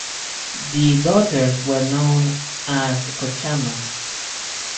The daughters were known as "Kochammas".